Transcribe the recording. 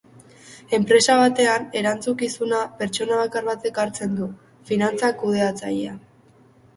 Enpresa batean, erantzukizuna, pertsona bakar batek hartzen du: finantza kudeatzailea.